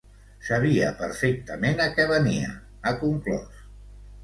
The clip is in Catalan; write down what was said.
Sabia perfectament a què venia, ha conclòs.